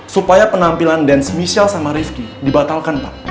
supaya penampilan dance michelle sama rizky dibatalkan pak